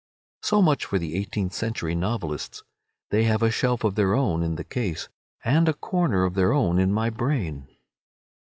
So much for the eighteenth century novelists. They have a shelf of their own in the case, and a corner of their own in my brain.